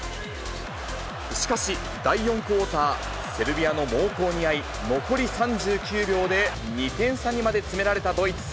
しかし、第４クオーター、セルビアの猛攻に遭い、残り３９秒で２点差にまで詰められたドイツ。